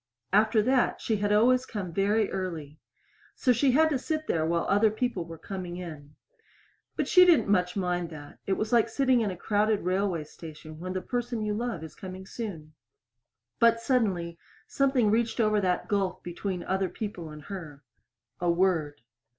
After that she had always come very early. So she had to sit there while other people were coming in. But she didn't much mind that; it was like sitting in a crowded railway station when the person you love is coming soon. But suddenly something reached over that gulf between other people and her. A word.